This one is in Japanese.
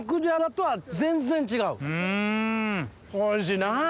おいしいなぁ。